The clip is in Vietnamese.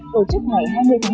tổ chức ngày hai mươi tháng sáu